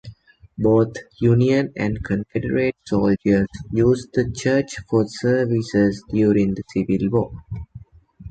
Both Union and Confederate soldiers used the church for services during the Civil War.